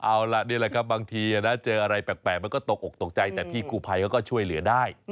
เอาล่ะนี่แหละครับบางทีนะเจออะไรแปลกมันก็ตกออกตกใจแต่พี่กูภัยเขาก็ช่วยเหลือได้